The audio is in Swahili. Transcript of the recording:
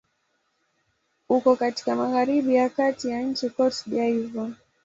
Uko katika magharibi ya kati ya nchi Cote d'Ivoire.